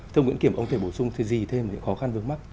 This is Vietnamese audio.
thưa nguyễn kiểm ông có thể bổ sung thêm những khó khăn vương mắc